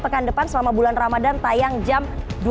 pekan depan selama bulan ramadhan tayang jam